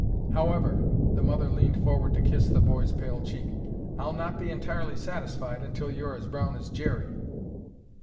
"However," the mother leaned forward to kiss the boy's pale cheek, "I'll not be entirely satisfied until you're as brown as Jerry."